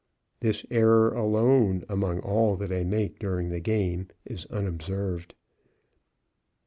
This error, alone among all that I make during the game, is unobserved.